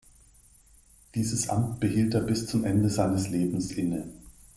Dieses Amt behielt er bis zum Ende seines Lebens inne.